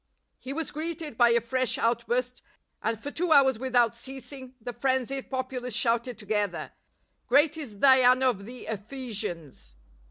He was greeted, by a fresh outburst, and for two hours without ceasing the frenzied populace shouted to gether: " Great is Diana of the Ephesians